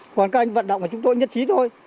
còn các anh vận động của chúng tôi nhất trí thôi